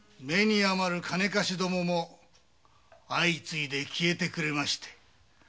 目に余る金貸しどもも相次いで消えてくれまして。